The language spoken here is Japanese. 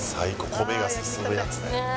米が進むやつね。